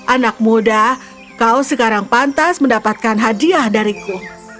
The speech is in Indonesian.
anak muda kau sekarang pantas mendapatkan hadiah dariku